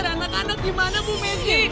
itu dia ngejar anak anak gimana ibu messi